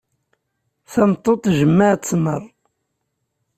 Tameṭṭut tjemmeɛ tmeṛ.